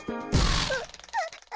あっ。